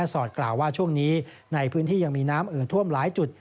สิ่งที่ดูหอหรอกล่าว่าช่วงนี้ในพื้นที่ยังมีน้ำเอ่อท่วมหลายจุด